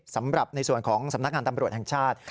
สำหรับในส่วนของสำนักงานตำรวจแห่งชาติ